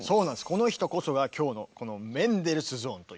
この人こそが今日のこのメンデルスゾーンという。